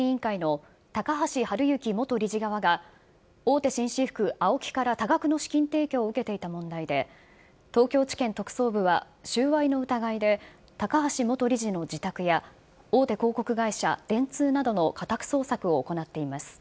東京オリンピックの組織委員会の高橋治之元理事側が大手紳士服ＡＯＫＩから、多額の資金提供を受けていた問題で、東京地検特捜部は、収賄の疑いで高橋元理事の自宅や、大手広告会社、電通などの家宅捜索を行っています。